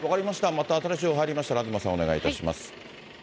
また新しい情報入りましたら、東さん、お願いします。